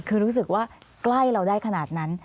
คือรู้สึกว่าใกล้เราได้ขนาดนั้น